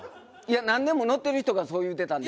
何年も乗ってる人がそう言うてたんで。